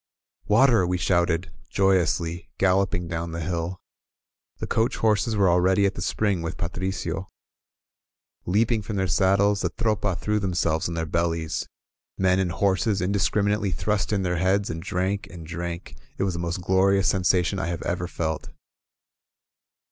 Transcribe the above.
"Water!" we shouted, joyously, galloping down the hill. The coach horses were already at the spring with Patricio. Leaping from their saddles, the Tropa threw themselves on their bellies. Men and horses indiscrimi nately thrust in their heads, and drank and drank. ••• It was the most glorious sensation I have ever felt.